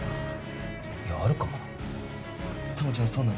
いやあるかもな。